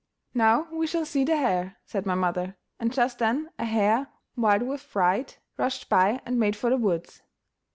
"Now we shall see the hare," said my mother; and just then a hare, wild with fright, rushed by and made for the woods.